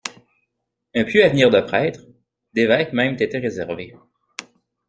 Un pieux avenir de prêtre, d'évêque même t'était réservé.